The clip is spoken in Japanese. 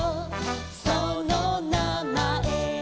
そのなまえ」